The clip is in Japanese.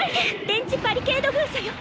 電磁バリケード封鎖よ！